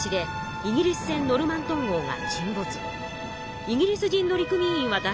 イギリス人乗組員はだっ